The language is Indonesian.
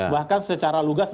bahkan secara lugas